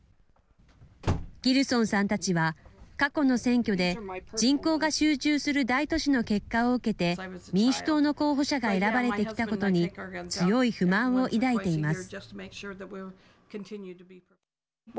ギルソンさんたちは過去の選挙で人口が集中する大都市の結果を受けて民主党の候補者が選ばれてきたことに強い不満を抱いています。